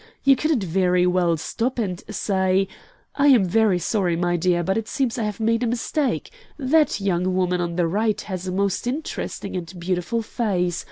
You couldn't very well stop and say: 'I am very sorry, my dear, but it seems I have made a mistake. That young woman on the right has a most interesting and beautiful face.